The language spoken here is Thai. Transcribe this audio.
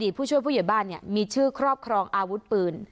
อดีตผู้ช่วยผู้อย่างบ้านเนี้ยมีชื่อครอบครองอาวุธปืน